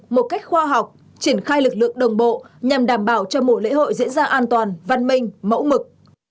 một cách khoa học triển khai lực lượng đồng bộ nhằm đảm bảo cho mùa lễ hội diễn ra an toàn văn minh mẫu mực